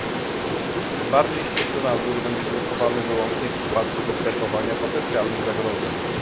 Bardziej ścisły nadzór będzie stosowany wyłącznie w przypadku występowania potencjalnych zagrożeń